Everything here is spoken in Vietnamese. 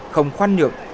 không khoan nhược